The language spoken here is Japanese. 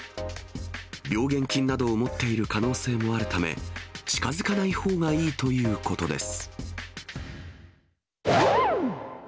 病原菌などを持っている可能性もあるため、近づかないほうがいいということです。